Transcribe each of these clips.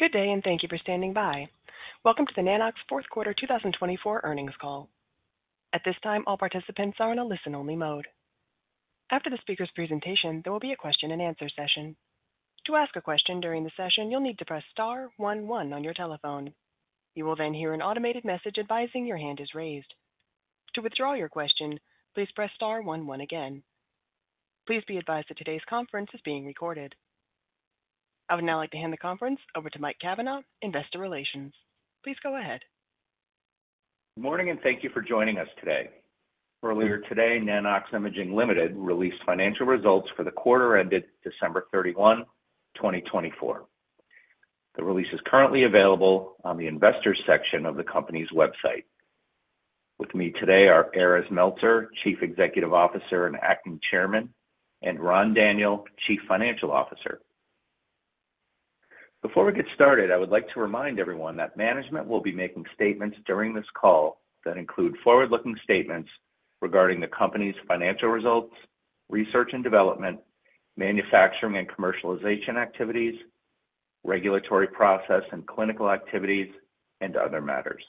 Good day, and thank you for standing by. Welcome to the Nanox fourth quarter 2024 earnings call. At this time, all participants are in a listen-only mode. After the speaker's presentation, there will be a question-and-answer session. To ask a question during the session, you'll need to press star one one on your telephone. You will then hear an automated message advising your hand is raised. To withdraw your question, please press star one one again. Please be advised that today's conference is being recorded. I would now like to hand the conference over to Mike Cavanaugh, Investor Relations. Please go ahead. Good morning, and thank you for joining us today. Earlier today, Nano-X Imaging Limited released financial results for the quarter ended December 31, 2024. The release is currently available on the Investor section of the company's website. With me today are Erez Meltzer, Chief Executive Officer and Acting Chairman, and Ran Daniel, Chief Financial Officer. Before we get started, I would like to remind everyone that management will be making statements during this call that include forward-looking statements regarding the company's financial results, research and development, manufacturing and commercialization activities, regulatory process and clinical activities, and other matters.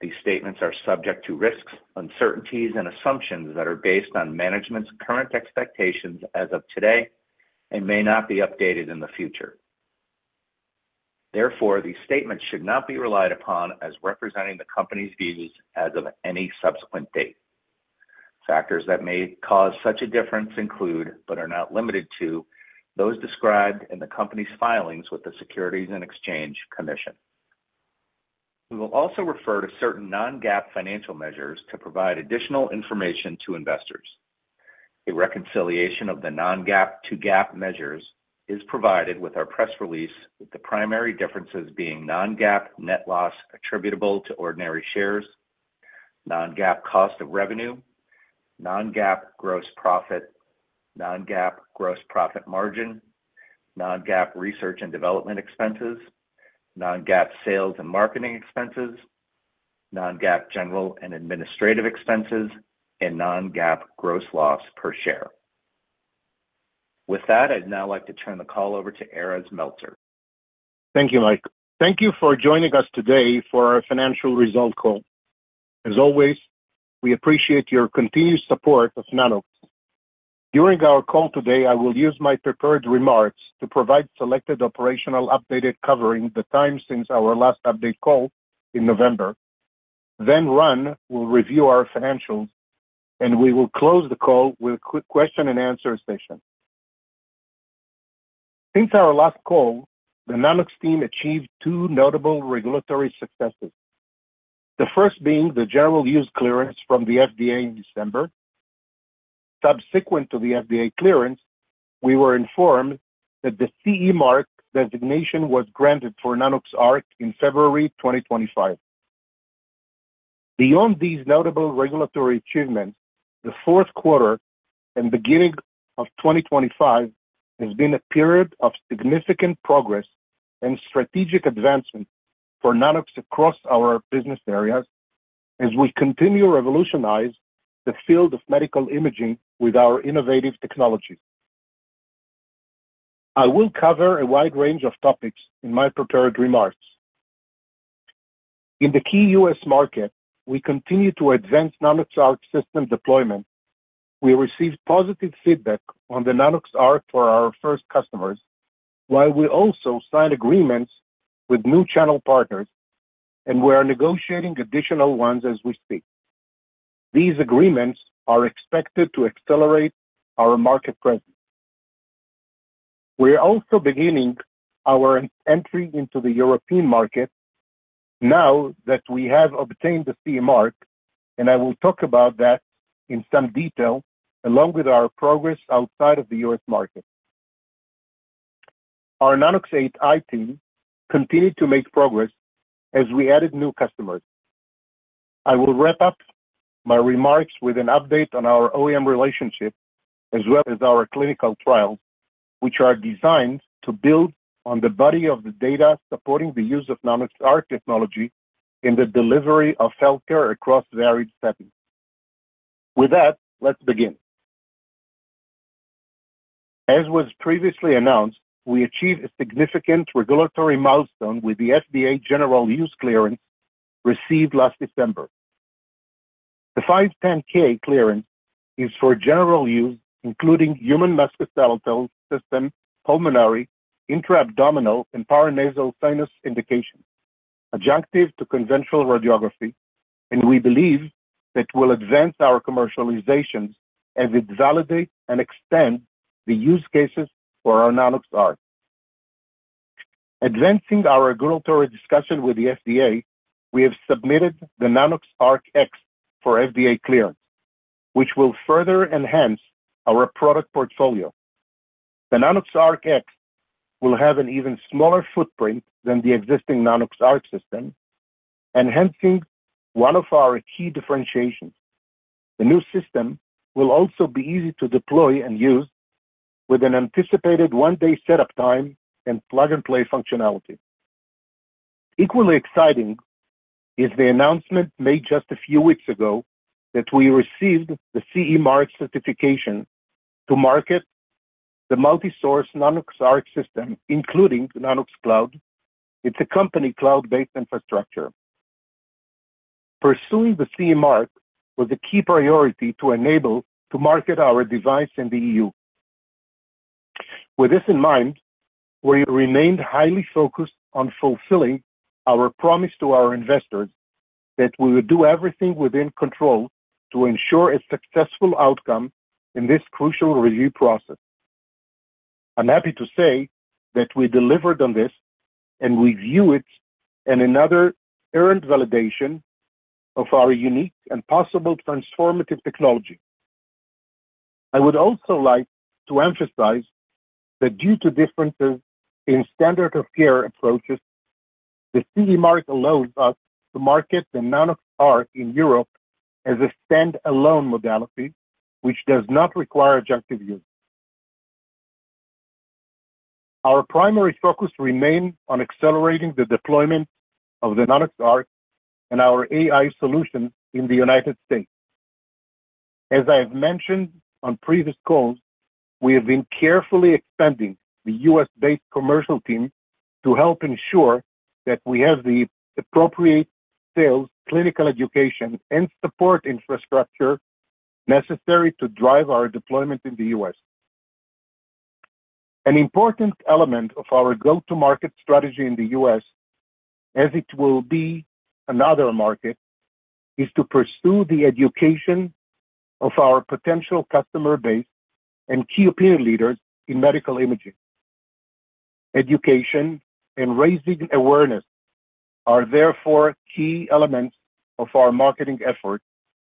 These statements are subject to risks, uncertainties, and assumptions that are based on management's current expectations as of today and may not be updated in the future. Therefore, these statements should not be relied upon as representing the company's views as of any subsequent date. Factors that may cause such a difference include, but are not limited to, those described in the company's filings with the Securities and Exchange Commission. We will also refer to certain non-GAAP financial measures to provide additional information to investors. A reconciliation of the non-GAAP to GAAP measures is provided with our press release, with the primary differences being non-GAAP net loss attributable to ordinary shares, non-GAAP cost of revenue, non-GAAP gross profit, non-GAAP gross profit margin, non-GAAP research and development expenses, non-GAAP sales and marketing expenses, non-GAAP general and administrative expenses, and non-GAAP gross loss per share. With that, I'd now like to turn the call over to Erez Meltzer. Thank you, Mike. Thank you for joining us today for our financial result call. As always, we appreciate your continued support of Nano-X. During our call today, I will use my prepared remarks to provide selected operational updated covering the time since our last update call in November. Ran will review our financials, and we will close the call with a quick question-and-answer session. Since our last call, the Nano-X team achieved two notable regulatory successes, the first being the general use clearance from the FDA in December. Subsequent to the FDA clearance, we were informed that the CE mark designation was granted for Nanox.ARC in February 2025. Beyond these notable regulatory achievements, the fourth quarter and beginning of 2025 has been a period of significant progress and strategic advancement for Nano-X across our business areas as we continue to revolutionize the field of medical imaging with our innovative technologies. I will cover a wide range of topics in my prepared remarks. In the key U.S. market, we continue to advance Nanox.ARC system deployment. We received positive feedback on the Nanox.ARC for our first customers, while we also signed agreements with new channel partners, and we are negotiating additional ones as we speak. These agreements are expected to accelerate our market presence. We are also beginning our entry into the European market now that we have obtained the CE mark, and I will talk about that in some detail along with our progress outside of the U.S. market. Our Nanox.AI team continued to make progress as we added new customers. I will wrap up my remarks with an update on our OEM relationship, as well as our clinical trials, which are designed to build on the body of the data supporting the use of Nanox.ARC technology in the delivery of healthcare across varied settings. With that, let's begin. As was previously announced, we achieved a significant regulatory milestone with the FDA general use clearance received last December. The 510(k) clearance is for general use, including human musculoskeletal system, pulmonary, intra-abdominal, and paranasal sinus indications, adjunctive to conventional radiography, and we believe that will advance our commercializations as it validates and extends the use cases for our Nanox.ARC. Advancing our regulatory discussion with the FDA, we have submitted the Nanox.ARC X for FDA clearance, which will further enhance our product portfolio. The Nanox.ARC X will have an even smaller footprint than the existing Nanox.ARC system, enhancing one of our key differentiations. The new system will also be easy to deploy and use, with an anticipated one-day setup time and plug-and-play functionality. Equally exciting is the announcement made just a few weeks ago that we received the CE mark certification to market the multi-source Nanox.ARC system, including the Nanox.CLOUD. It is a company cloud-based infrastructure. Pursuing the CE mark was a key priority to enable us to market our device in the EU. With this in mind, we remained highly focused on fulfilling our promise to our investors that we would do everything within control to ensure a successful outcome in this crucial review process. I'm happy to say that we delivered on this, and we view it as another earned validation of our unique and possible transformative technology. I would also like to emphasize that due to differences in standard of care approaches, the CE mark allows us to market the Nanox.ARC in Europe as a standalone modality, which does not require adjunctive use. Our primary focus remains on accelerating the deployment of the Nanox.ARC and our AI solutions in the United States. As I have mentioned on previous calls, we have been carefully expanding the U.S.-based commercial team to help ensure that we have the appropriate sales, clinical education, and support infrastructure necessary to drive our deployment in the U.S. An important element of our go-to-market strategy in the U.S., as it will be another market, is to pursue the education of our potential customer base and key opinion leaders in medical imaging. Education and raising awareness are therefore key elements of our marketing efforts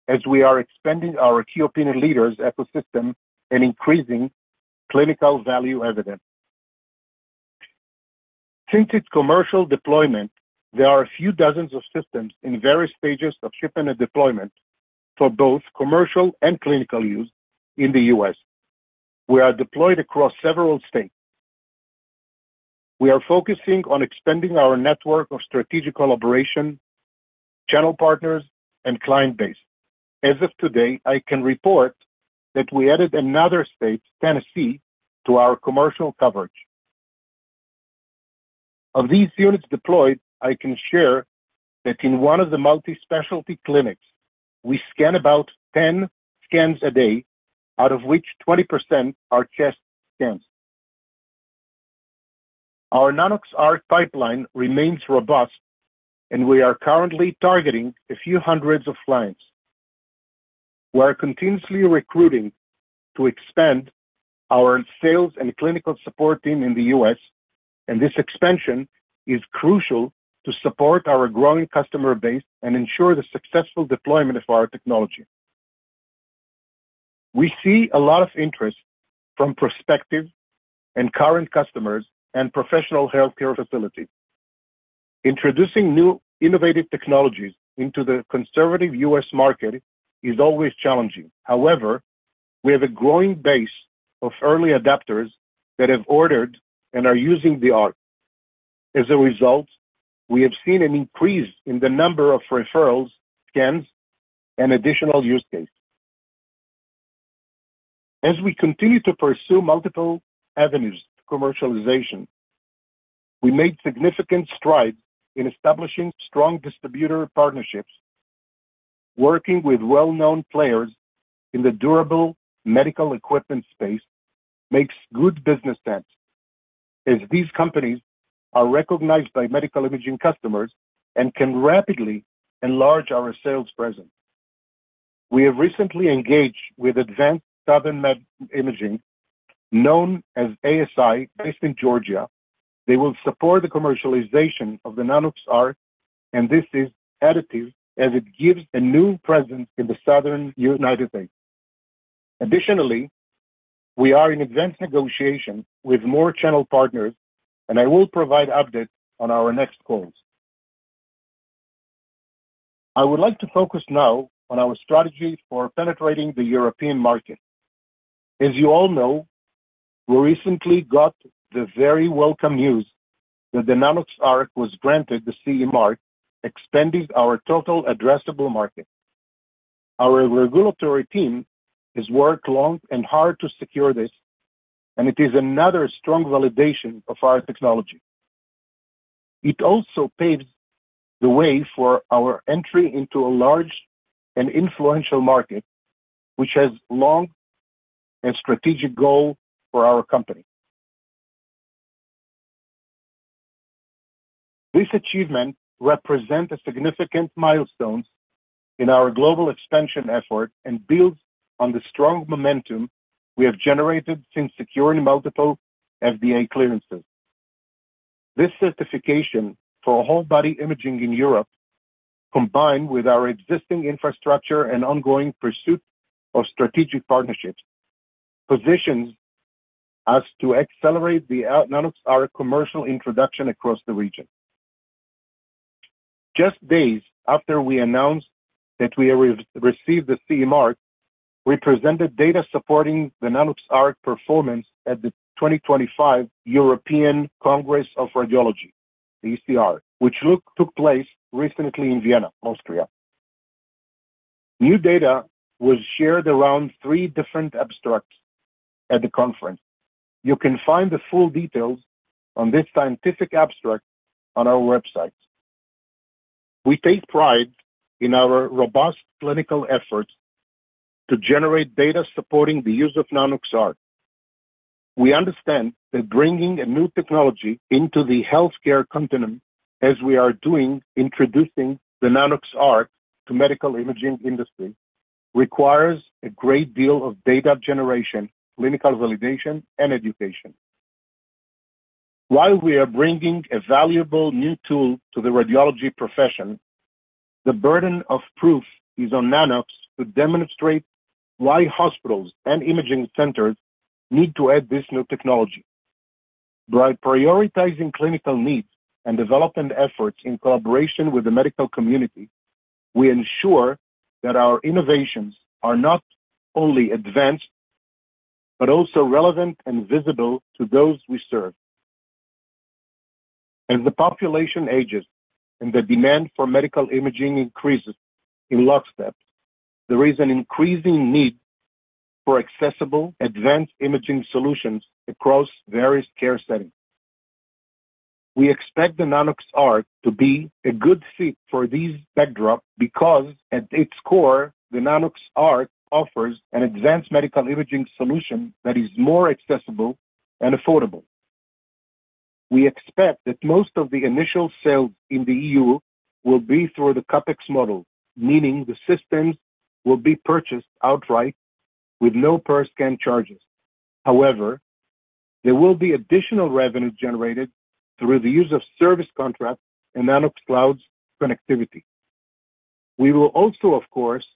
as we are expanding our key opinion leaders' ecosystem and increasing clinical value evidence. Since its commercial deployment, there are a few dozens of systems in various stages of shipment and deployment for both commercial and clinical use in the U.S. We are deployed across several states. We are focusing on expanding our network of strategic collaboration, channel partners, and client base. As of today, I can report that we added another state, Tennessee, to our commercial coverage. Of these units deployed, I can share that in one of the multi-specialty clinics, we scan about 10 scans a day, out of which 20% are chest scans. Our Nanox.ARC pipeline remains robust, and we are currently targeting a few hundreds of clients. We are continuously recruiting to expand our sales and clinical support team in the U.S., and this expansion is crucial to support our growing customer base and ensure the successful deployment of our technology. We see a lot of interest from prospective and current customers and professional healthcare facilities. Introducing new innovative technologies into the conservative U.S. market is always challenging. However, we have a growing base of early adopters that have ordered and are using the Arc.As a result, we have seen an increase in the number of referrals, scans, and additional use cases. As we continue to pursue multiple avenues to commercialization, we made significant strides in establishing strong distributor partnerships. Working with well-known players in the durable medical equipment space makes good business sense as these companies are recognized by medical imaging customers and can rapidly enlarge our sales presence. We have recently engaged with Advanced Southern Imaging, known as ASI, based in Georgia. They will support the commercialization of the Nanox.ARC, and this is additive as it gives a new presence in the southern U.S. Additionally, we are in advanced negotiations with more channel partners, and I will provide updates on our next calls. I would like to focus now on our strategy for penetrating the European market. As you all know, we recently got the very welcome news that the Nanox.ARC was granted the CE mark, expanding our total addressable market. Our regulatory team has worked long and hard to secure this, and it is another strong validation of our technology. It also paves the way for our entry into a large and influential market, which has long and strategic goals for our company. This achievement represents a significant milestone in our global expansion effort and builds on the strong momentum we have generated since securing multiple FDA clearances. This certification for whole-body imaging in Europe, combined with our existing infrastructure and ongoing pursuit of strategic partnerships, positions us to accelerate the Nanox.ARC commercial introduction across the region. Just days after we announced that we had received the CE mark, we presented data supporting the Nanox.ARC performance at the 2025 European Congress of Radiology, ECR, which took place recently in Vienna, Austria. New data was shared around three different abstracts at the conference. You can find the full details on this scientific abstract on our website. We take pride in our robust clinical efforts to generate data supporting the use of Nanox.ARC. We understand that bringing a new technology into the healthcare continuum, as we are doing, introducing the Nanox.ARC to the medical imaging industry, requires a great deal of data generation, clinical validation, and education. While we are bringing a valuable new tool to the radiology profession, the burden of proof is on Nano-X to demonstrate why hospitals and imaging centers need to add this new technology. By prioritizing clinical needs and development efforts in collaboration with the medical community, we ensure that our innovations are not only advanced but also relevant and visible to those we serve. As the population ages and the demand for medical imaging increases in lockstep, there is an increasing need for accessible advanced imaging solutions across various care settings. We expect the Nanox.ARC to be a good fit for this backdrop because, at its core, the Nanox.ARC offers an advanced medical imaging solution that is more accessible and affordable. We expect that most of the initial sales in the EU will be through the CAPEX model, meaning the systems will be purchased outright with no per-scan charges. However, there will be additional revenue generated through the use of service contracts and Nanox.CLOUD's connectivity. We will also, of course,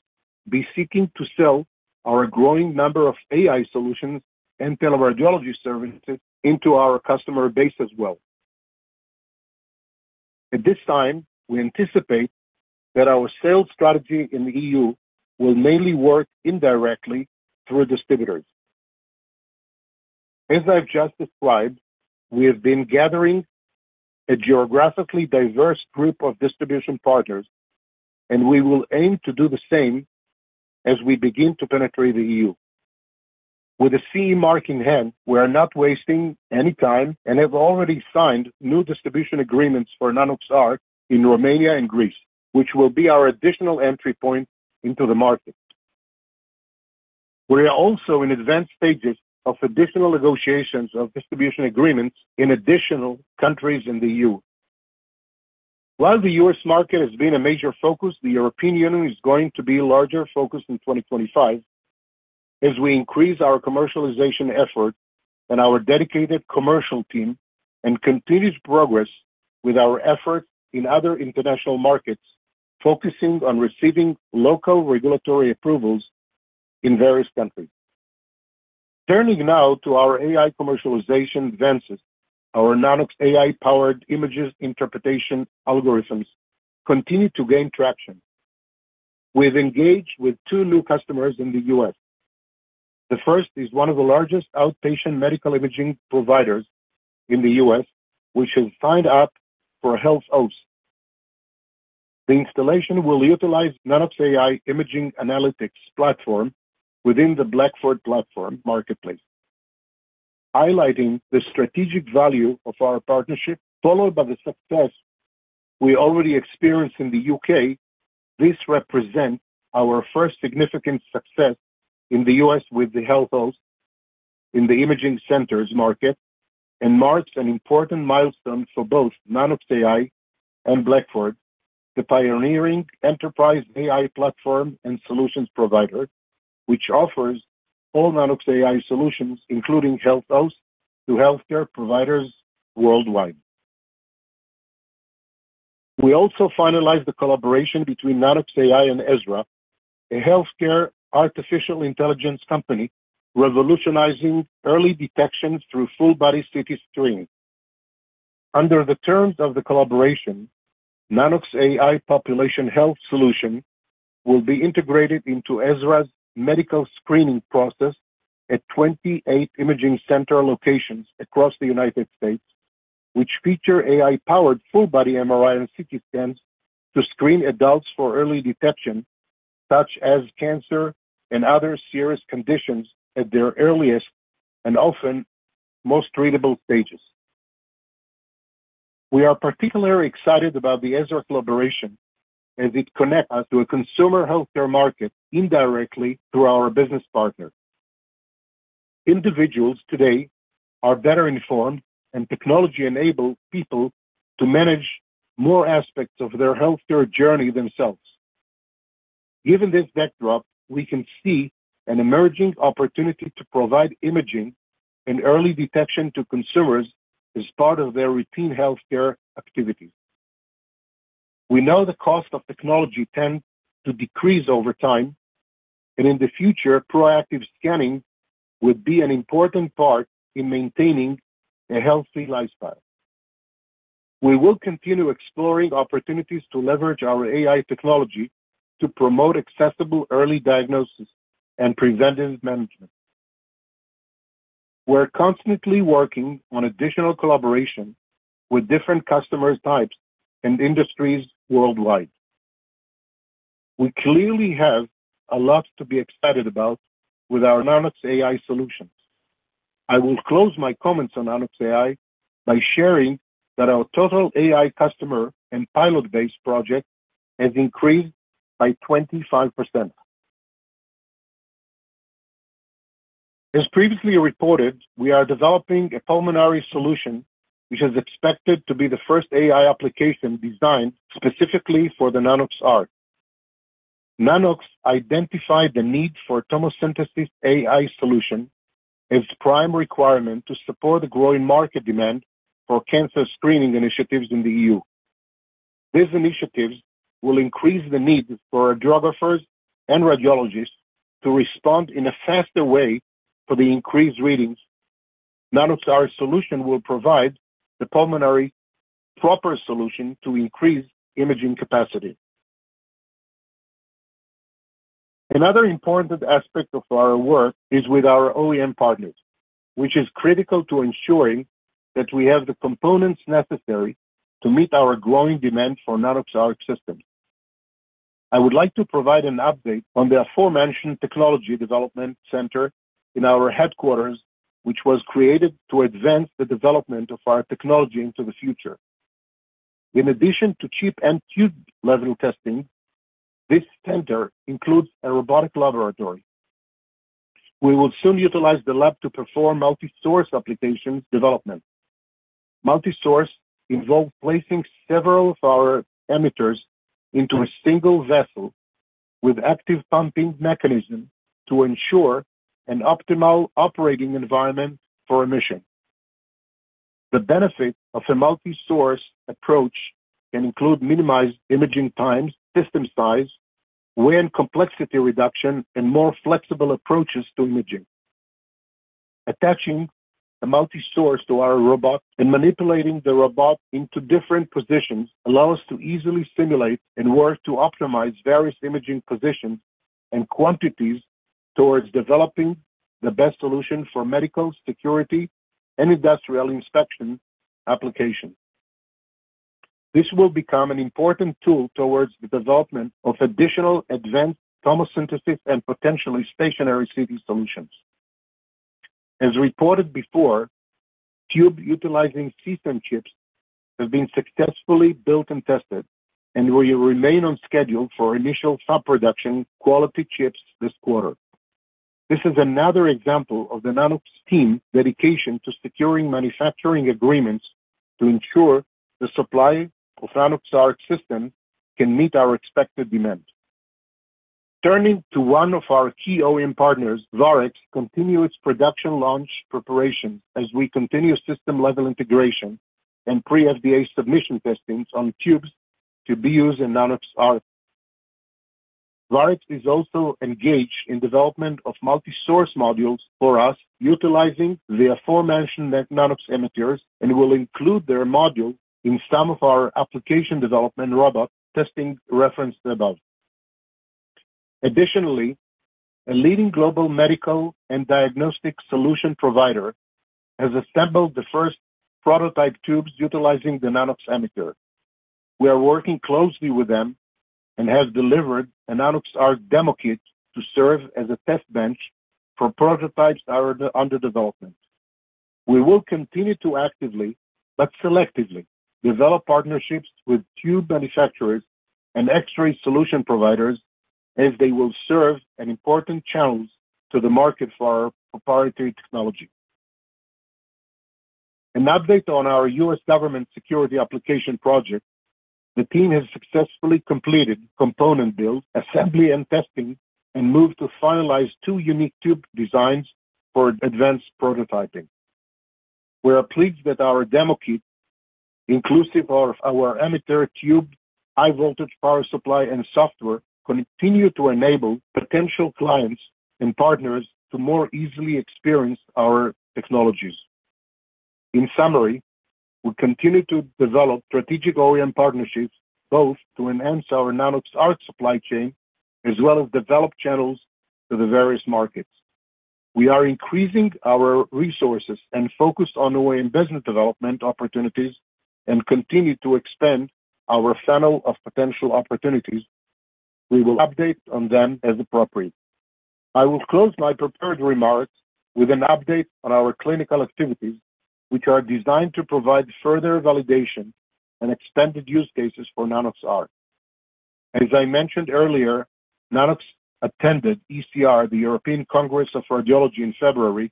be seeking to sell our growing number of AI solutions and tele-radiology services into our customer base as well. At this time, we anticipate that our sales strategy in the EU will mainly work indirectly through distributors. As I've just described, we have been gathering a geographically diverse group of distribution partners, and we will aim to do the same as we begin to penetrate the EU. With the CE mark in hand, we are not wasting any time and have already signed new distribution agreements for Nanox.ARC in Romania and Greece, which will be our additional entry point into the market. We are also in advanced stages of additional negotiations of distribution agreements in additional countries in the EU. While the U.S. market has been a major focus, the European Union is going to be a larger focus in 2025 as we increase our commercialization efforts and our dedicated commercial team and continue progress with our efforts in other international markets, focusing on receiving local regulatory approvals in various countries. Turning now to our AI commercialization advances, our Nano-X AI-powered image interpretation algorithms continue to gain traction. We've engaged with two new customers in the U.S. The first is one of the largest outpatient medical imaging providers in the U.S., which has signed up for HealthOST. The installation will utilize Nano-X AI imaging analytics platform within the Blackford platform marketplace. Highlighting the strategic value of our partnership, followed by the success we already experience in the U.K., this represents our first significant success in the U.S. with the HealthOST in the imaging centers market and marks an important milestone for both Nano-X AI and Blackford, the pioneering enterprise AI platform and solutions provider, which offers all Nano-X AI solutions, including HealthOST, to healthcare providers worldwide. We also finalized the collaboration between Nano-X AI and Ezra, a healthcare artificial intelligence company revolutionizing early detection through full-body CT screening. Under the terms of the collaboration, Nano-X AI population health solution will be integrated into Ezra's medical screening process at 28 imaging center locations across the United States, which feature AI-powered full-body MRI and CT scans to screen adults for early detection, such as cancer and other serious conditions, at their earliest and often most treatable stages. We are particularly excited about the Ezra collaboration as it connects us to a consumer healthcare market indirectly through our business partners. Individuals today are better informed and technology-enabled people to manage more aspects of their healthcare journey themselves. Given this backdrop, we can see an emerging opportunity to provide imaging and early detection to consumers as part of their routine healthcare activities. We know the cost of technology tends to decrease over time, and in the future, proactive scanning would be an important part in maintaining a healthy lifestyle. We will continue exploring opportunities to leverage our AI technology to promote accessible early diagnosis and preventive management. We're constantly working on additional collaboration with different customer types and industries worldwide. We clearly have a lot to be excited about with our Nano-X AI solutions. I will close my comments on Nano-X AI by sharing that our total AI customer and pilot-based project has increased by 25%. As previously reported, we are developing a pulmonary solution, which is expected to be the first AI application designed specifically for the Nanox.ARC. Nano-X identified the need for a tomosynthesis AI solution as a prime requirement to support the growing market demand for cancer screening initiatives in the EU. These initiatives will increase the need for radiographers and radiologists to respond in a faster way for the increased readings. Nanox.ARC solution will provide the pulmonary proper solution to increase imaging capacity. Another important aspect of our work is with our OEM partners, which is critical to ensuring that we have the components necessary to meet our growing demand for Nanox.ARC systems. I would like to provide an update on the aforementioned technology development center in our headquarters, which was created to advance the development of our technology into the future. In addition to chip and tube level testing, this center includes a robotic laboratory. We will soon utilize the lab to perform multi-source applications development. Multi-source involves placing several of our emitters into a single vessel with active pumping mechanisms to ensure an optimal operating environment for emission. The benefits of a multi-source approach can include minimized imaging times, system size, weight and complexity reduction, and more flexible approaches to imaging. Attaching a multi-source to our robot and manipulating the robot into different positions allows us to easily simulate and work to optimize various imaging positions and quantities towards developing the best solution for medical, security, and industrial inspection applications. This will become an important tool towards the development of additional advanced tomosynthesis and potentially stationary CT solutions. As reported before, tubes utilizing system chips have been successfully built and tested, and we will remain on schedule for initial sub-production quality chips this quarter. This is another example of the Nano-X team's dedication to securing manufacturing agreements to ensure the supply of Nanox.ARC systems can meet our expected demand. Turning to one of our key OEM partners, Varex continues its production launch preparations as we continue system-level integration and pre-FDA submission testings on tubes to be used in Nanox.ARC. Varex is also engaged in the development of multi-source modules for us, utilizing the aforementioned Nano-X emitters, and will include their module in some of our application development robot testing referenced above. Additionally, a leading global medical and diagnostic solution provider has assembled the first prototype tubes utilizing the Nano-X emitter. We are working closely with them and have delivered a Nanox.ARC demo kit to serve as a test bench for prototypes under development. We will continue to actively, but selectively, develop partnerships with tube manufacturers and X-ray solution providers as they will serve as important channels to the market for our proprietary technology. An update on our U.S. government security application project: the team has successfully completed component build, assembly, and testing, and moved to finalize two unique tube designs for advanced prototyping. We are pleased that our demo kit, inclusive of our emitter tube, high-voltage power supply, and software, continues to enable potential clients and partners to more easily experience our technologies. In summary, we continue to develop strategic OEM partnerships both to enhance our Nanox.ARC supply chain as well as develop channels to the various markets. We are increasing our resources and focus on OEM business development opportunities and continue to expand our funnel of potential opportunities. We will update on them as appropriate. I will close my prepared remarks with an update on our clinical activities, which are designed to provide further validation and expanded use cases for Nanox.ARC. As I mentioned earlier, Nano-X attended ECR, the European Congress of Radiology, in February,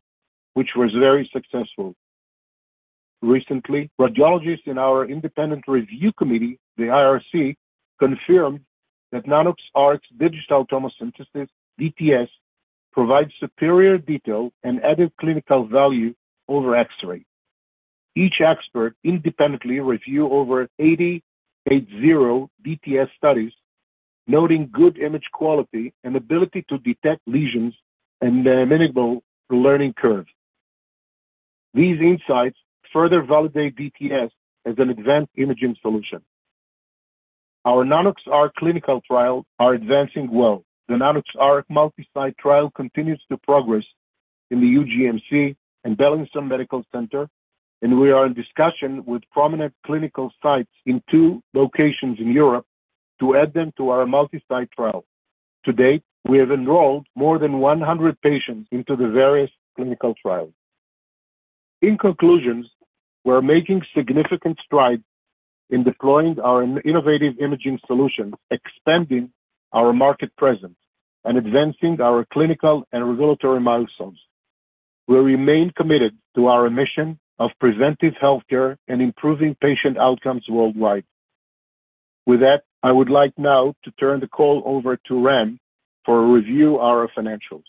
which was very successful. Recently, radiologists in our independent review committee, the IRC, confirmed that Nanox.ARC's digital tomosynthesis DTS provides superior detail and added clinical value over X-ray. Each expert independently reviewed over 80 H0 DTS studies, noting good image quality and ability to detect lesions and the amenable learning curve. These insights further validate DTS as an advanced imaging solution. Our Nanox.ARC clinical trials are advancing well. The Nanox.ARC multi-site trial continues to progress in the UGMC and Beilinson Medical Center, and we are in discussion with prominent clinical sites in two locations in Europe to add them to our multi-site trial. To date, we have enrolled more than 100 patients into the various clinical trials. In conclusion, we're making significant strides in deploying our innovative imaging solutions, expanding our market presence, and advancing our clinical and regulatory milestones. We remain committed to our mission of preventive healthcare and improving patient outcomes worldwide. With that, I would like now to turn the call over to Ran for a review of our financials.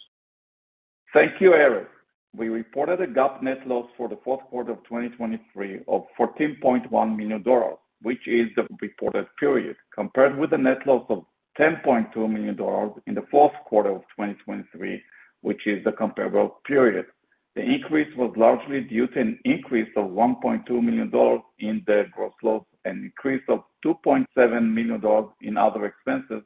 Thank you, Erez. We reported a GAAP net loss for the fourth quarter of 2023 of $14.1 million, which is the reported period, compared with a net loss of $10.2 million in the fourth quarter of 2023, which is the comparable period. The increase was largely due to an increase of $1.2 million in the gross loss and an increase of $2.7 million in other expenses,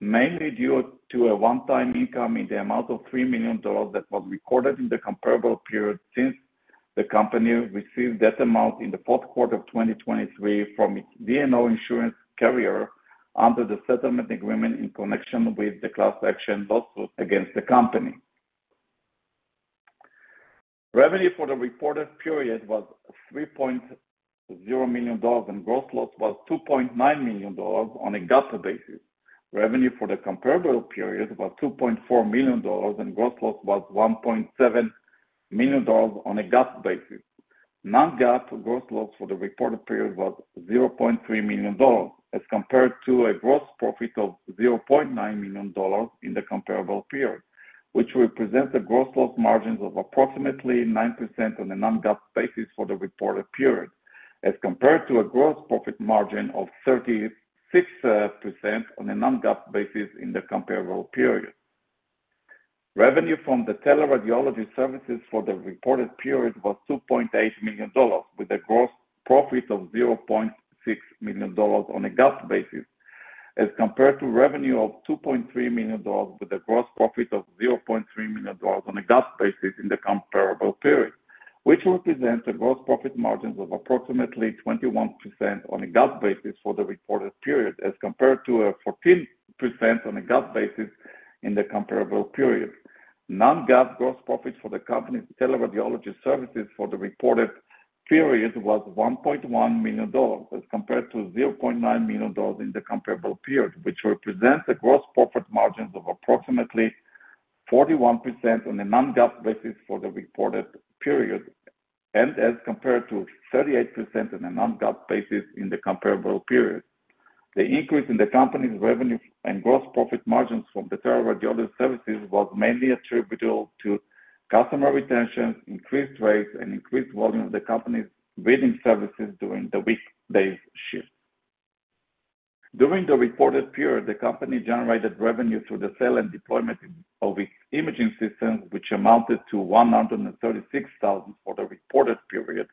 mainly due to a one-time income in the amount of $3 million that was recorded in the comparable period since the company received that amount in the fourth quarter of 2023 from its D&O insurance carrier under the settlement agreement in connection with the class action lawsuit against the company. Revenue for the reported period was $3.0 million, and gross loss was $2.9 million on a GAAP basis. Revenue for the comparable period was $2.4 million, and gross loss was $1.7 million on a GAAP basis. Non-GAAP gross loss for the reported period was $0.3 million, as compared to a gross profit of $0.9 million in the comparable period, which represents a gross loss margin of approximately 9% on a non-GAAP basis for the reported period, as compared to a gross profit margin of 36% on a non-GAAP basis in the comparable period. Revenue from the tele-radiology services for the reported period was $2.8 million, with a gross profit of $0.6 million on a GAAP basis, as compared to revenue of $2.3 million, with a gross profit of $0.3 million on a GAAP basis in the comparable period, which represents a gross profit margin of approximately 21% on a GAAP basis for the reported period, as compared to 14% on a GAAP basis in the comparable period. Non-GAAP gross profit for the company's tele-radiology services for the reported period was $1.1 million, as compared to $0.9 million in the comparable period, which represents a gross profit margin of approximately 41% on a non-GAAP basis for the reported period, and as compared to 38% on a non-GAAP basis in the comparable period. The increase in the company's revenue and gross profit margins from the tele-radiology services was mainly attributable to customer retention, increased rates, and increased volume of the company's reading services during the weekday shift. During the reported period, the company generated revenue through the sale and deployment of its imaging systems, which amounted to $136,000 for the reported period,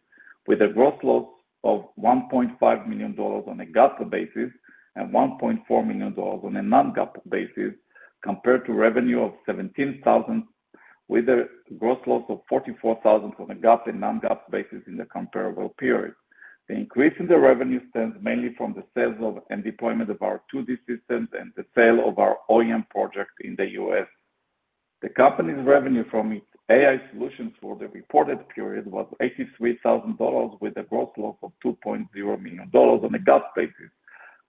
with a gross loss of $1.5 million on a GAAP basis and $1.4 million on a non-GAAP basis, compared to revenue of $17,000, with a gross loss of $44,000 on a GAAP and non-GAAP basis in the comparable period. The increase in the revenue stems mainly from the sales and deployment of our 2D systems and the sale of our OEM project in the U.S. The company's revenue from its AI solutions for the reported period was $83,000, with a gross loss of $2.0 million on a GAAP basis,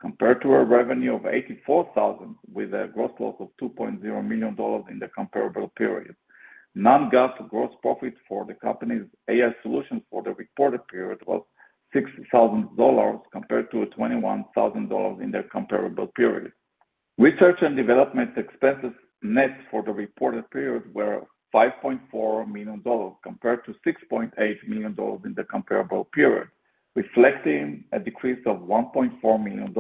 compared to a revenue of $84,000, with a gross loss of $2.0 million in the comparable period. Non-GAAP gross profit for the company's AI solutions for the reported period was $6,000, compared to $21,000 in the comparable period. Research and development expenses net for the reported period were $5.4 million, compared to $6.8 million in the comparable period, reflecting a decrease of $1.4 million.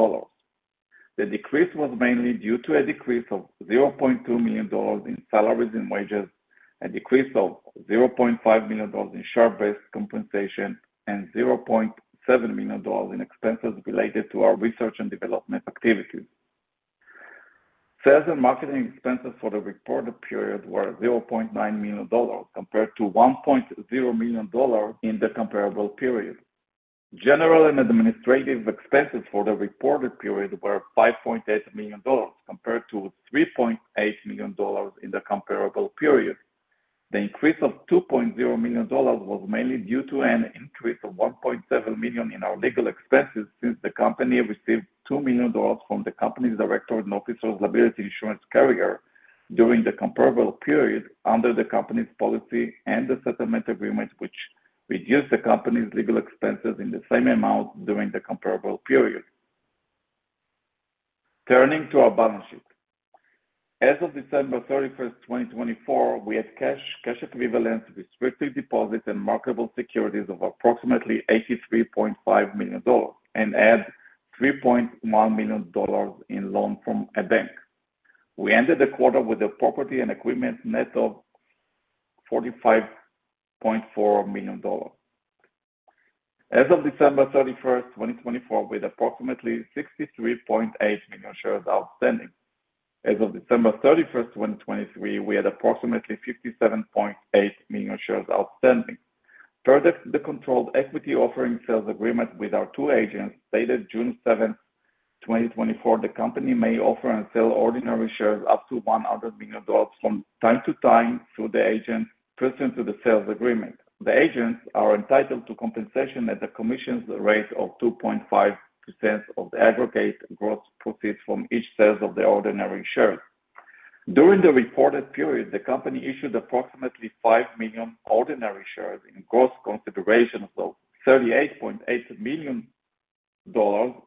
The decrease was mainly due to a decrease of $0.2 million in salaries and wages, a decrease of $0.5 million in share-based compensation, and $0.7 million in expenses related to our research and development activities. Sales and marketing expenses for the reported period were $0.9 million, compared to $1.0 million in the comparable period. General and administrative expenses for the reported period were $5.8 million, compared to $3.8 million in the comparable period. The increase of $2.0 million was mainly due to an increase of $1.7 million in our legal expenses since the company received $2 million from the company's director and officer's liability insurance carrier during the comparable period under the company's policy and the settlement agreement, which reduced the company's legal expenses in the same amount during the comparable period. Turning to our balance sheet, as of December 31, 2024, we had cash equivalents, restricted deposits, and marketable securities of approximately $83.5 million and had $3.1 million in loan from a bank. We ended the quarter with a property and equipment net of $45.4 million. As of December 31, 2024, we had approximately 63.8 million shares outstanding. As of December 31, 2023, we had approximately 57.8 million shares outstanding. Per the controlled equity offering sales agreement with our two agents, stated June 7, 2024, the company may offer and sell ordinary shares up to $100 million from time to time through the agents present to the sales agreement. The agents are entitled to compensation at the commission rate of 2.5% of the aggregate gross proceeds from each sale of the ordinary shares. During the reported period, the company issued approximately 5 million ordinary shares in gross consideration of $38.8 million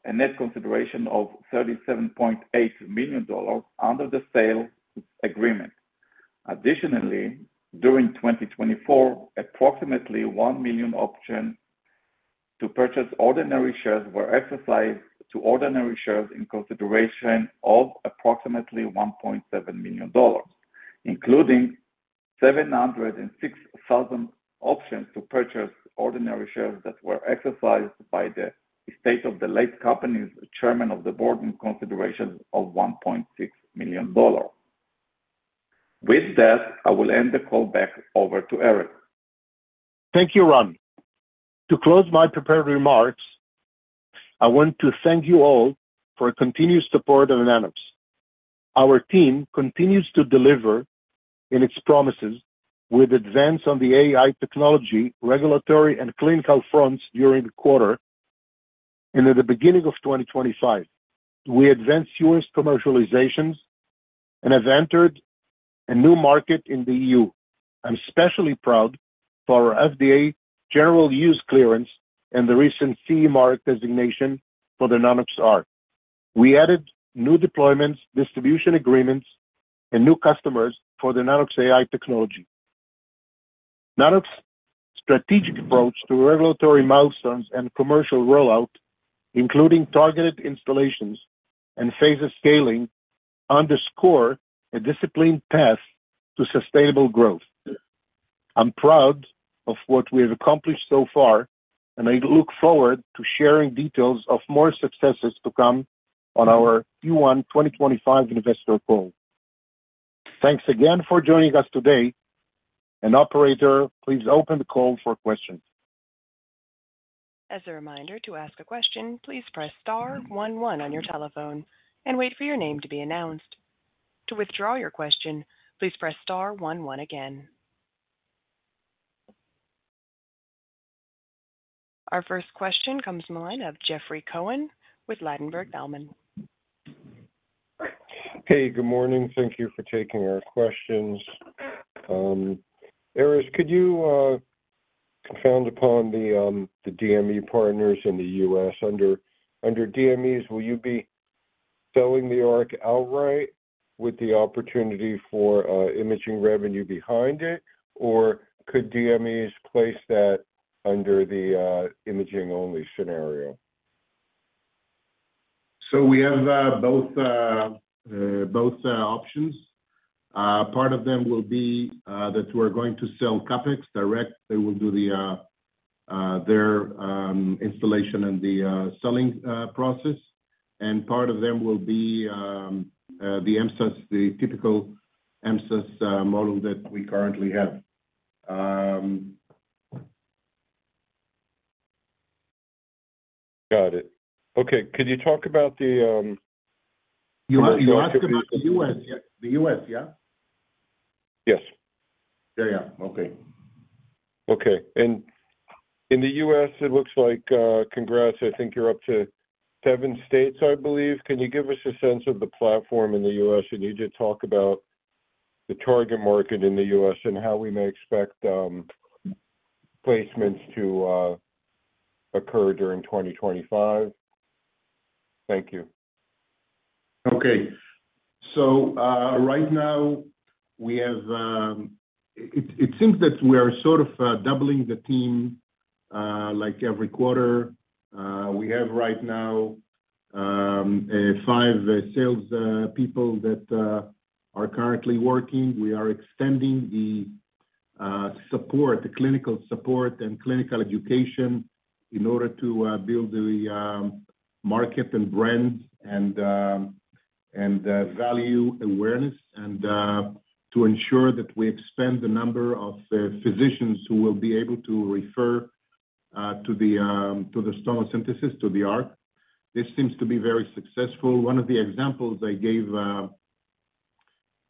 and net consideration of $37.8 million under the sales agreement. Additionally, during 2024, approximately 1 million options to purchase ordinary shares were exercised to ordinary shares in consideration of approximately $1.7 million, including 706,000 options to purchase ordinary shares that were exercised by the estate of the late company's chairman of the board in consideration of $1.6 million. With that, I will end the call back over to Erez. Thank you, Ran. To close my prepared remarks, I want to thank you all for continued support of Nano-X. Our team continues to deliver on its promises with advance on the AI technology, regulatory, and clinical fronts during the quarter and at the beginning of 2025. We advanced U.S. commercializations and have entered a new market in the EU. I'm especially proud for our FDA general use clearance and the recent CE mark designation for the Nanox.ARC. We added new deployments, distribution agreements, and new customers for the Nano-X AI technology. Nano-X's strategic approach to regulatory milestones and commercial rollout, including targeted installations and phase scaling, underscores a disciplined path to sustainable growth. I'm proud of what we have accomplished so far, and I look forward to sharing details of more successes to come on our Q1 2025 investor call. Thanks again for joining us today. Operator, please open the call for questions. As a reminder, to ask a question, please press star 11 on your telephone and wait for your name to be announced. To withdraw your question, please press star 11 again. Our first question comes from a line of Jeffrey Cohen with Ladenburg Thalmann. Hey, good morning. Thank you for taking our questions. Erez, could you confound upon the DME partners in the U.S.? Under DMEs, will you be selling the Arc outright with the opportunity for imaging revenue behind it, or could DMEs place that under the imaging-only scenario? We have both options. Part of them will be that we're going to sell CapEx direct. They will do their installation and the selling process. Part of them will be the typical MSaaS model that we currently have. Got it. Okay. Could you talk about the U.S.? You're asking about the U.S., yeah? Yes. Yeah, yeah. Okay. Okay. In the U.S., it looks like Congress, I think you're up to seven states, I believe. Can you give us a sense of the platform in the U.S.? You need to talk about the target market in the U.S. and how we may expect placements to occur during 2025. Thank you. Right now, it seems that we are sort of doubling the team like every quarter. We have right now five salespeople that are currently working. We are extending the support, the clinical support and clinical education in order to build the market and brand and value awareness and to ensure that we expand the number of physicians who will be able to refer to the tomosynthesis, to the Arc. This seems to be very successful. One of the examples I gave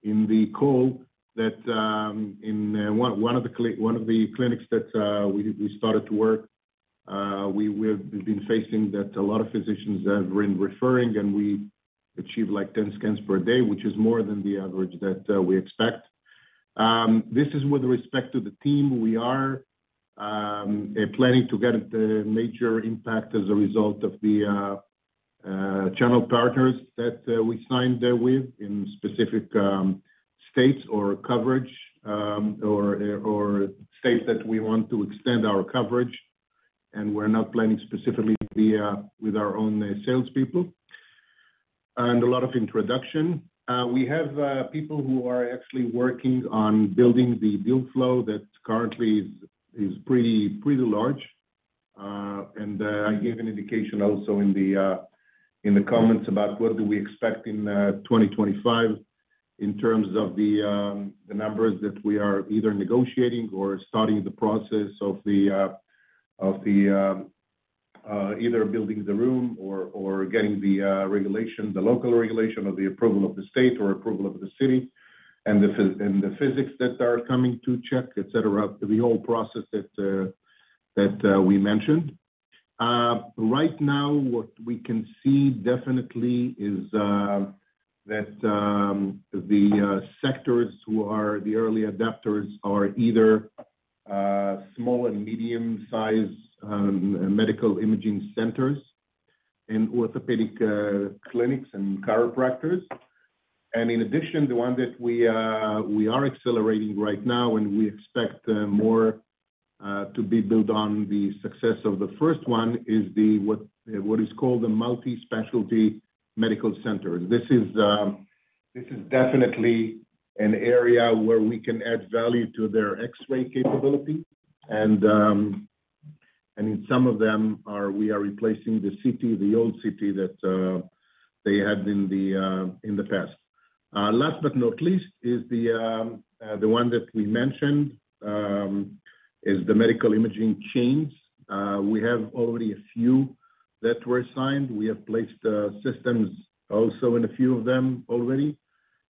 in the call that in one of the clinics that we started to work, we've been facing that a lot of physicians have been referring, and we achieve like 10 scans per day, which is more than the average that we expect. This is with respect to the team. We are planning to get the major impact as a result of the channel partners that we signed with in specific states or coverage or states that we want to extend our coverage. We're not planning specifically with our own salespeople. A lot of introduction. We have people who are actually working on building the deal flow that currently is pretty large. I gave an indication also in the comments about what we expect in 2025 in terms of the numbers that we are either negotiating or starting the process of either building the room or getting the regulation, the local regulation of the approval of the state or approval of the city and the physics that are coming to check, etc., the whole process that we mentioned. Right now, what we can see definitely is that the sectors who are the early adapters are either small and medium-sized medical imaging centers and orthopedic clinics and chiropractors. In addition, the one that we are accelerating right now and we expect more to be built on the success of the first one is what is called the multispecialty medical centers. This is definitely an area where we can add value to their X-ray capability. In some of them, we are replacing the old city that they had in the past. Last but not least is the one that we mentioned is the medical imaging chains. We have already a few that were signed. We have placed systems also in a few of them already.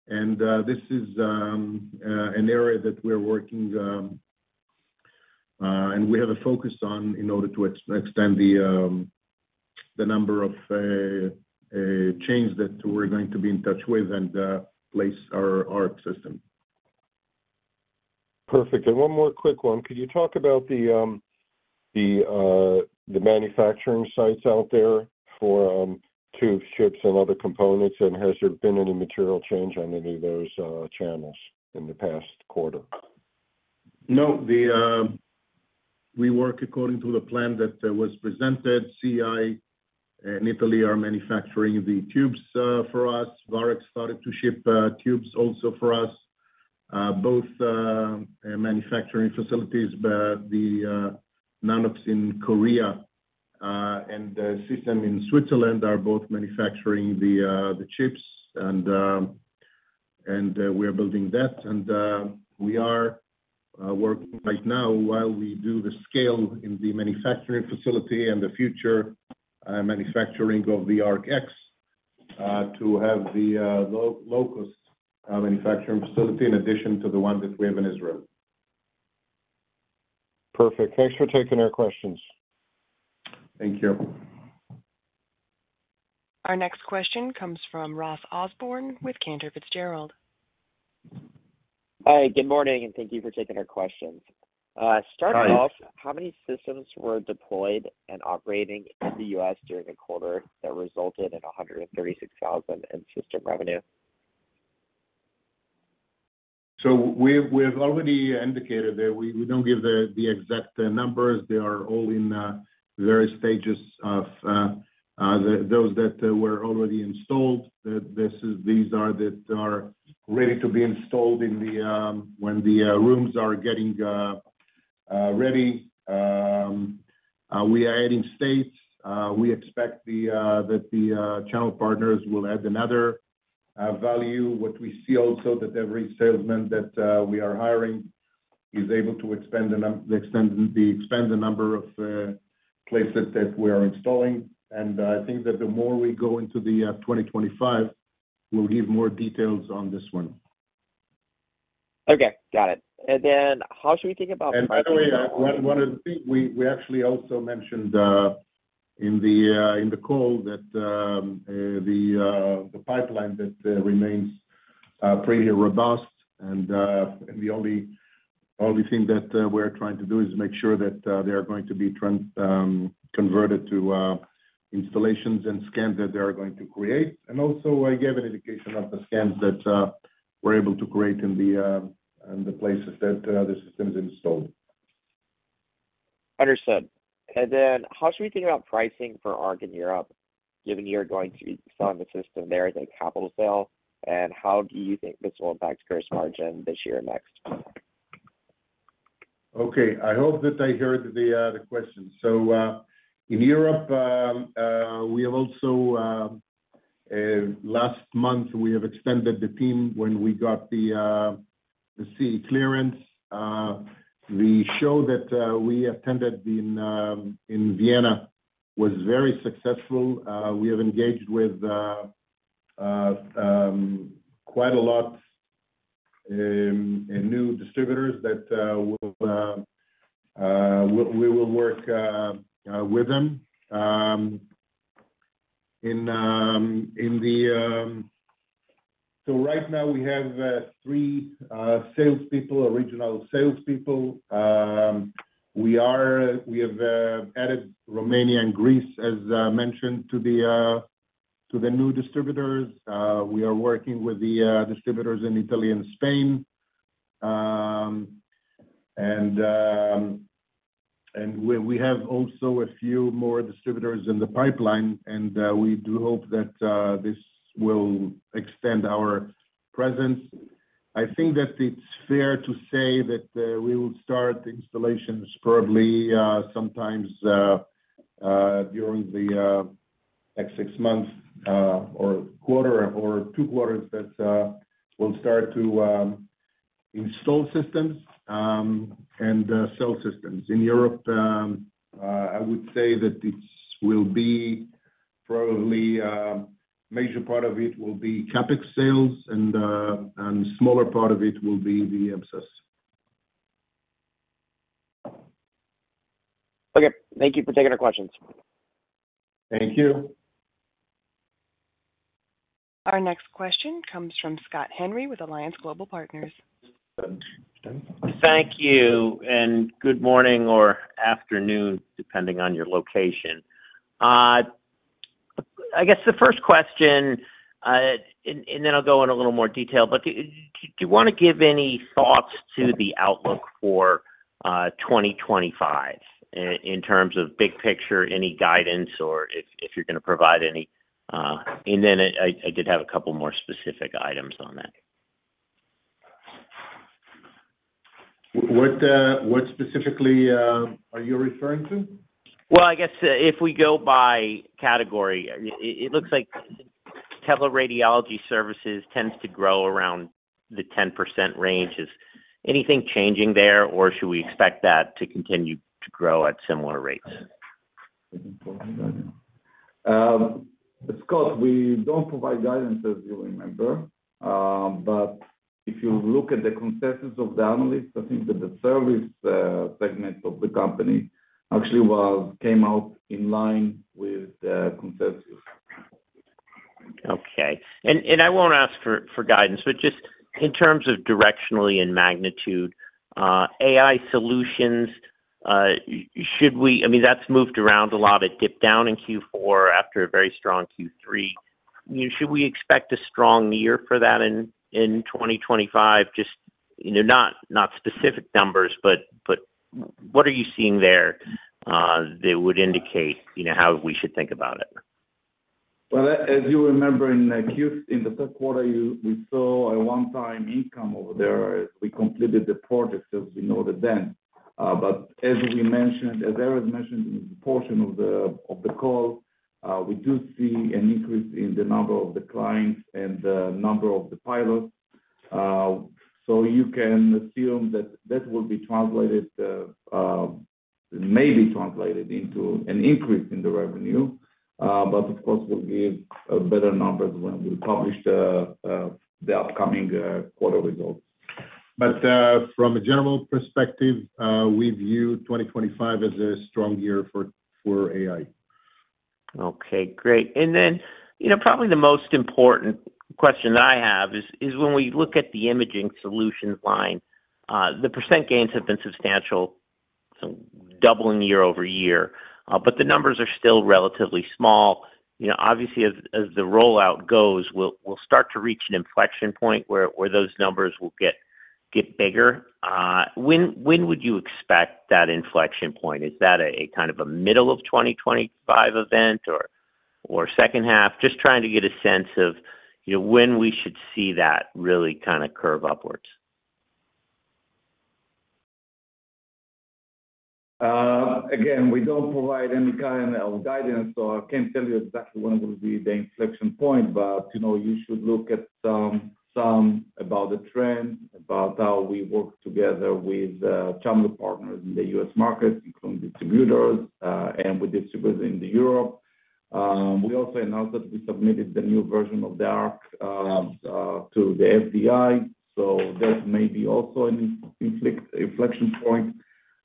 This is an area that we're working and we have a focus on in order to extend the number of chains that we're going to be in touch with and place our Arc system. Perfect. One more quick one. Could you talk about the manufacturing sites out there for tubes, chips, and other components, and has there been any material change on any of those channels in the past quarter? No. We work according to the plan that was presented. C.E.I and Italy are manufacturing the tubes for us. Varex started to ship tubes also for us. Both manufacturing facilities, the Nano-X in Korea and the system in Switzerland are both manufacturing the chips. We are building that. We are working right now while we do the scale in the manufacturing facility and the future manufacturing of the Arc X to have the low-cost manufacturing facility in addition to the one that we have in Israel. Perfect. Thanks for taking our questions. Thank you. Our next question comes from Ross Osborn with Cantor Fitzgerald. Hi. Good morning. Thank you for taking our questions. Starting off, how many systems were deployed and operating in the U.S. during the quarter that resulted in $136,000 in system revenue? We have already indicated that we do not give the exact numbers. They are all in various stages of those that were already installed. These are that are ready to be installed when the rooms are getting ready. We are adding states. We expect that the channel partners will add another value. What we see also is that every salesman that we are hiring is able to expand the number of places that we are installing. I think that the more we go into 2025, we'll give more details on this one. Okay. Got it. How should we think about pipeline? By the way, one of the things we actually also mentioned in the call is that the pipeline remains pretty robust. The only thing that we're trying to do is make sure that they are going to be converted to installations and scans that they are going to create. Also, I gave an indication of the scans that we're able to create in the places that the system is installed. Understood. How should we think about pricing for Arc in Europe, given you're going to be selling the system there as a capital sale? How do you think this will impact gross margin this year and next? Okay. I hope that I heard the question. In Europe, we have also last month, we have extended the team when we got the CE clearance. The show that we attended in Vienna was very successful. We have engaged with quite a lot of new distributors that we will work with them. Right now, we have three salespeople, original salespeople. We have added Romania and Greece, as mentioned, to the new distributors. We are working with the distributors in Italy and Spain. We have also a few more distributors in the pipeline. We do hope that this will extend our presence. I think that it's fair to say that we will start installations probably sometime during the next six months or quarter or two quarters that we'll start to install systems and sell systems. In Europe, I would say that it will be probably a major part of it will be CapEx sales, and a smaller part of it will be the MSaaS. Okay. Thank you for taking our questions. Thank you. Our next question comes from Scott Henry with Alliance Global Partners. Thank you. Good morning or afternoon, depending on your location. I guess the first question, and then I'll go in a little more detail, but do you want to give any thoughts to the outlook for 2025 in terms of big picture, any guidance, or if you're going to provide any? I did have a couple more specific items on that. What specifically are you referring to? I guess if we go by category, it looks like teleradiology services tends to grow around the 10% ranges. Anything changing there, or should we expect that to continue to grow at similar rates? Scott, we do not provide guidance, as you remember. If you look at the consensus of the analysts, I think that the service segment of the company actually came out in line with the consensus. Okay. I will not ask for guidance, but just in terms of directionally and magnitude, AI solutions, I mean, that has moved around a lot. It dipped down in Q4 after a very strong Q3. Should we expect a strong year for that in 2025? Just not specific numbers, but what are you seeing there that would indicate how we should think about it? As you remember, in the third quarter, we saw a one-time income over there as we completed the project, as we noted then. As we mentioned, as Erez mentioned in the portion of the call, we do see an increase in the number of the clients and the number of the pilots. You can assume that that will be translated, may be translated into an increase in the revenue. Of course, we'll give better numbers when we publish the upcoming quarter results. From a general perspective, we view 2025 as a strong year for AI. Okay. Great. Probably the most important question I have is when we look at the imaging solutions line, the % gains have been substantial, doubling year over year, but the numbers are still relatively small. Obviously, as the rollout goes, we'll start to reach an inflection point where those numbers will get bigger. When would you expect that inflection point? Is that a kind of a middle of 2025 event or second half? Just trying to get a sense of when we should see that really kind of curve upwards. Again, we don't provide any kind of guidance, so I can't tell you exactly when will be the inflection point, but you should look at some about the trend, about how we work together with channel partners in the U.S. markets, including distributors, and with distributors in Europe. We also announced that we submitted the new version of the Arc to the FDA. That may be also an inflection point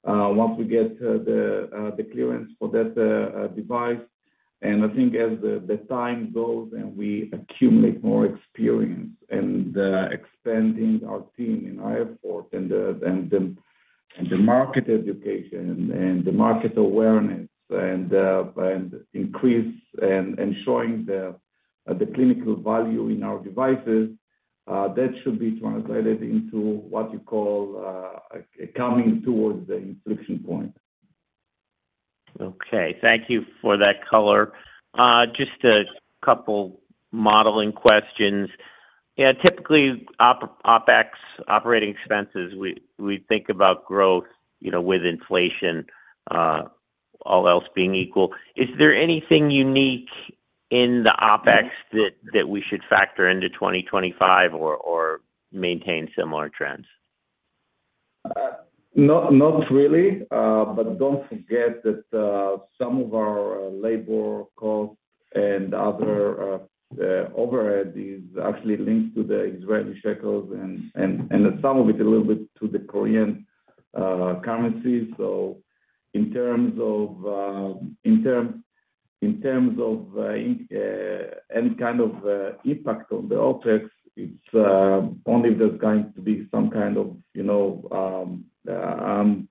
once we get the clearance for that device. I think as the time goes and we accumulate more experience and expanding our team and our effort and the market education and the market awareness and increase and showing the clinical value in our devices, that should be translated into what you call coming towards the inflection point. Okay. Thank you for that color. Just a couple modeling questions. Yeah. Typically, OpEx, operating expenses, we think about growth with inflation, all else being equal. Is there anything unique in the OpEx that we should factor into 2025 or maintain similar trends? Not really. Don't forget that some of our labor costs and other overhead is actually linked to the Israeli shekels and some of it a little bit to the Korean currency. In terms of any kind of impact on the OpEx, it's only if there's going to be some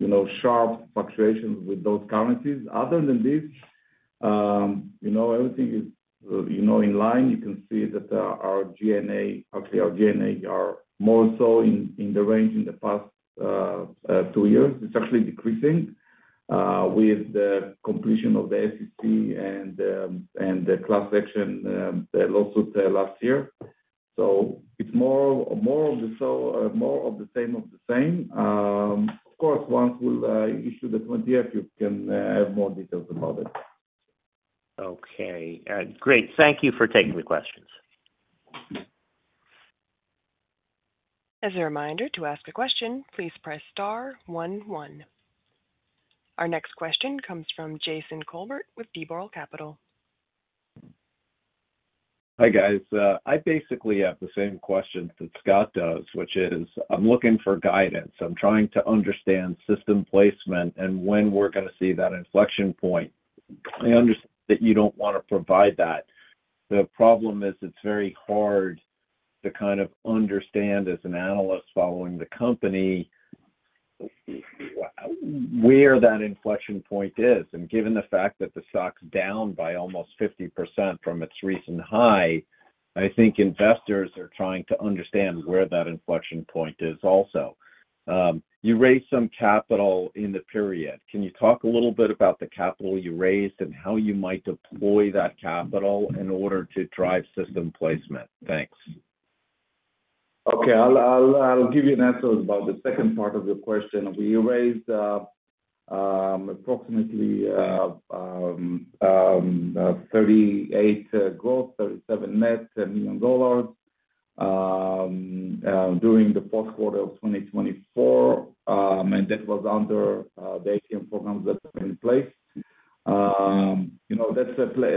kind of sharp fluctuations with those currencies. Other than this, everything is in line. You can see that our G&A, actually our G&A, are more so in the range in the past two years. It's actually decreasing with the completion of the SEC and the class action lawsuit last year. It's more of the same of the same. Of course, once we issue the 20th, you can have more details about it. Okay. Great. Thank you for taking the questions. As a reminder, to ask a question, please press star one one. Our next question comes from Jason Kolbert with D. Boral Capital. Hi guys. I basically have the same question that Scott does, which is I'm looking for guidance. I'm trying to understand system placement and when we're going to see that inflection point. I understand that you don't want to provide that. The problem is it's very hard to kind of understand as an analyst following the company where that inflection point is. Given the fact that the stock's down by almost 50% from its recent high, I think investors are trying to understand where that inflection point is also. You raised some capital in the period. Can you talk a little bit about the capital you raised and how you might deploy that capital in order to drive system placement? Thanks. Okay. I'll give you an answer about the second part of your question. We raised approximately $38 million gross, $37 million net during the fourth quarter of 2024. That was under the ATM programs that were in place.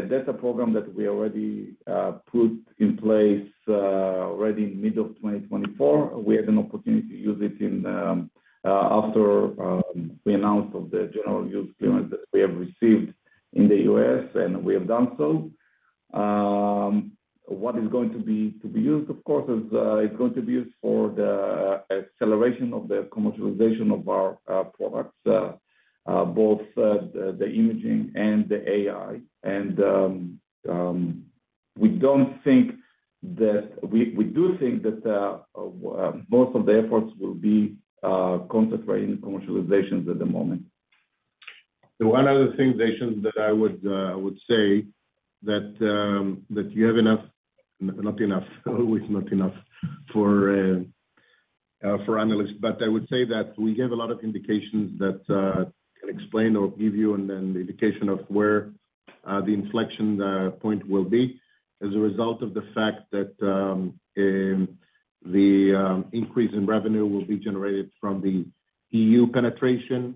That's a program that we already put in place already in mid of 2024. We had an opportunity to use it after we announced the general use clearance that we have received in the U.S. We have done so. What is going to be used, of course, is going to be used for the acceleration of the commercialization of our products, both the imaging and the AI. We do think that most of the efforts will be concentrated in commercializations at the moment. The one other thing that I would say is that you have enough, not enough, always not enough for analysts. I would say that we gave a lot of indications that can explain or give you an indication of where the inflection point will be as a result of the fact that the increase in revenue will be generated from the EU penetration,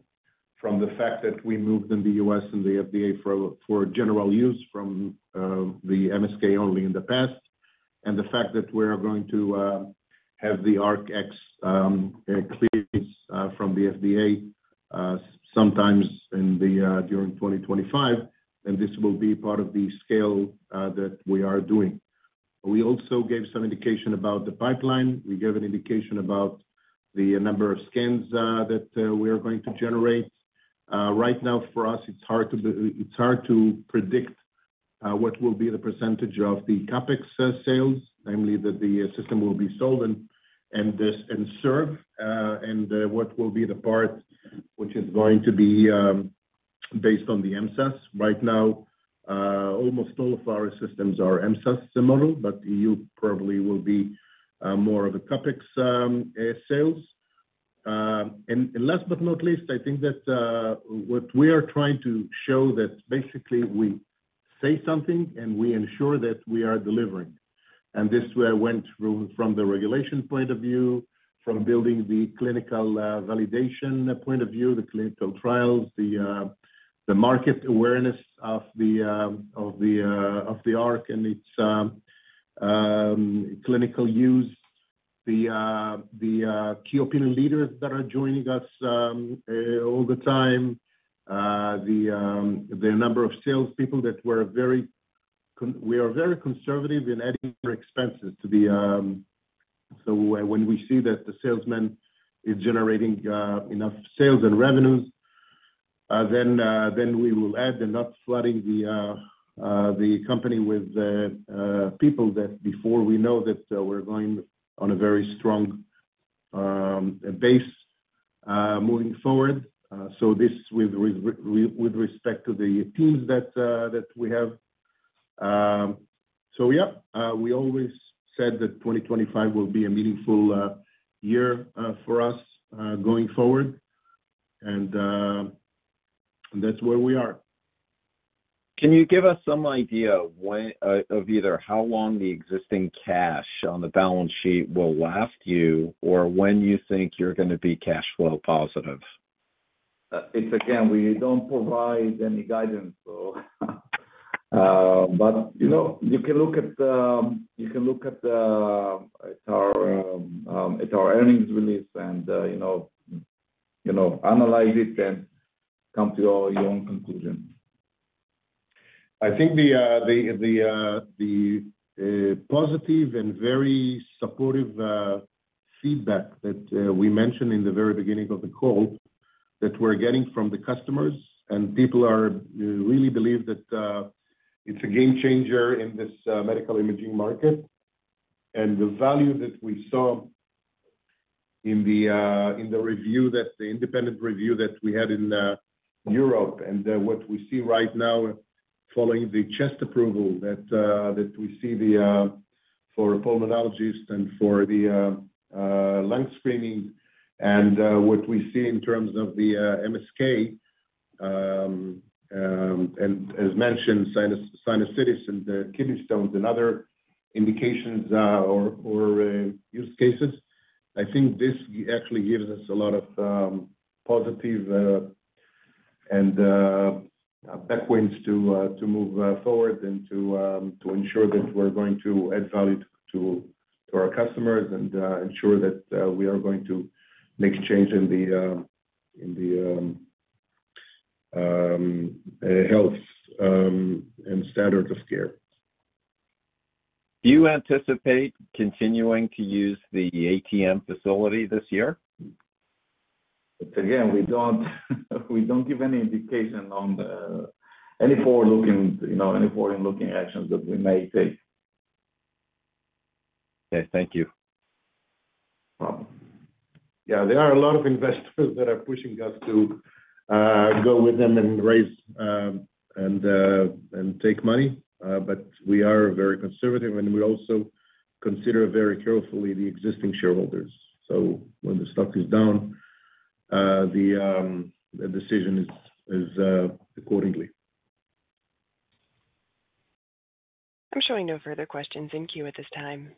from the fact that we moved in the U.S. and the FDA for general use from the MSK only in the past, and the fact that we're going to have the ArcX clearance from the FDA sometime during 2025. This will be part of the scale that we are doing. We also gave some indication about the pipeline. We gave an indication about the number of scans that we are going to generate. Right now, for us, it's hard to predict what will be the percentage of the CapEx sales, namely that the system will be sold and served, and what will be the part which is going to be based on the MSaaS. Right now, almost all of our systems are MSaaS model, but EU probably will be more of a CapEx sales. Last but not least, I think that what we are trying to show is that basically we say something and we ensure that we are delivering. This went from the regulation point of view, from building the clinical validation point of view, the clinical trials, the market awareness of the Arc and its clinical use, the key opinion leaders that are joining us all the time, the number of salespeople that we are very conservative in adding expenses to the. When we see that the salesman is generating enough sales and revenues, then we will add and not flood the company with people before we know that we're going on a very strong base moving forward. This is with respect to the teams that we have. Yeah, we always said that 2025 will be a meaningful year for us going forward. That's where we are. Can you give us some idea of either how long the existing cash on the balance sheet will last you or when you think you're going to be cash flow positive? Again, we do not provide any guidance. You can look at our earnings release and analyze it and come to your own conclusion. I think the positive and very supportive feedback that we mentioned in the very beginning of the call that we're getting from the customers, and people really believe that it's a game changer in this medical imaging market. The value that we saw in the independent review that we had in Europe and what we see right now following the chest approval that we see for pulmonologists and for the lung screenings and what we see in terms of the MSK and, as mentioned, sinusitis and kidney stones and other indications or use cases. I think this actually gives us a lot of positive and backwinds to move forward and to ensure that we're going to add value to our customers and ensure that we are going to make change in the health and standard of care. Do you anticipate continuing to use the ATM facility this year? Again, we do not give any indication on any forward-looking actions that we may take. Okay. Thank you. Yeah. There are a lot of investors that are pushing us to go with them and raise and take money. We are very conservative, and we also consider very carefully the existing shareholders. When the stock is down, the decision is accordingly. I am showing no further questions in queue at this time.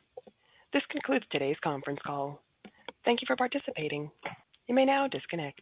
This concludes today's conference call. Thank you for participating. You may now disconnect.